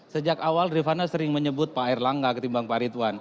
sejak awal rifana sering menyebut pak erlangga ketimbang pak ridwan